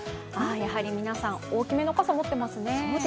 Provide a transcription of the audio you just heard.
やはり皆さん、大きめの傘を持っていますね。